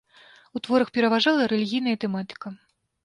У творах пераважала рэлігійная тэматыка.